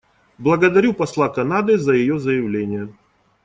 Благодарю посла Канады за ее заявление.